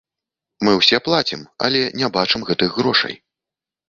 Мы ўсе плацім, але не бачым гэтых грошай.